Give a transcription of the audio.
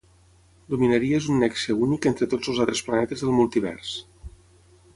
Dominaria és un nexe únic entre tots els altres planetes del multivers.